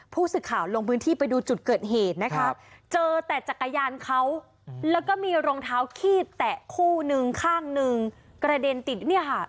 ผู้สื่อข่าวลงพื้นที่ไปดูจุดเกิดเหตุนะคะเจอแต่จักรยานเขาแล้วก็มีรองเท้าขี้แตะคู่นึงข้างหนึ่งกระเด็นติดเนี่ยค่ะ